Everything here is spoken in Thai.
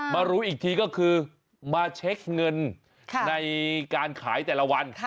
รู้อีกทีก็คือมาเช็คเงินในการขายแต่ละวัน